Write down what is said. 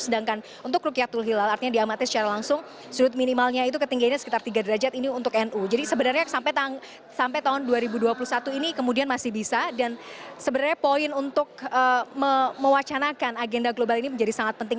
sedangkan untuk rukyatul hilal artinya diamatnya secara langsung sudut minimalnya itu ketinggiannya sekitar tiga derajat ini untuk nu jadi sebenarnya sampai tahun dua ribu dua puluh satu ini kemudian masih bisa dan sebenarnya poin untuk mewacanakan agenda global ini menjadi sangat penting